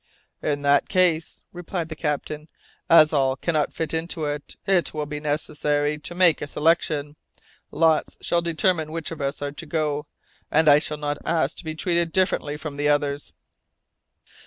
"In that case," replied the captain, "as all cannot fit into it, it will be necessary to make a selection. Lots shall determine which of us are to go, and I shall not ask to be treated differently from the others."